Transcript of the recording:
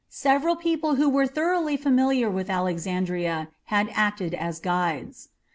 Several people who were thoroughly familiar with Alexandria had acted as guides.